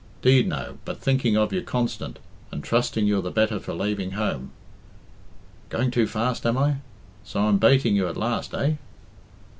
'Deed no, but thinking of you constant, and trusting you're the better for laving home '... Going too fast, am I? So I'm bating you at last, eh?"